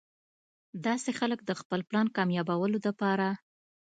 داسې خلک د خپل پلان کاميابولو د پاره